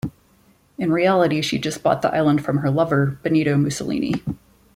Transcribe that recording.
In reality, she just bought the island from her lover, Benito Mussolini.